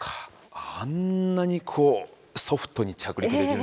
あんなにこうソフトに着陸できるんですね今。